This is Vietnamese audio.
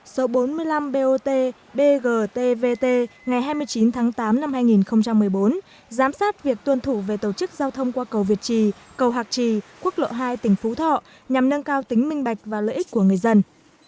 số bốn mươi năm bot bgtvt ngày hai mươi chín tháng tám năm hai nghìn một mươi bốn giám sát việc tuân thủ về tổ chức giao thông qua cầu việt trì cầu hạc trì quốc lộ hai tỉnh phú thọ nhằm nâng cao tính minh bạch và lợi ích của người dân